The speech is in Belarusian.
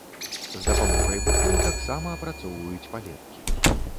З дапамогай быкоў таксама апрацоўваюць палеткі.